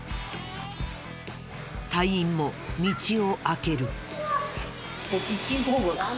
隊員も道を空ける。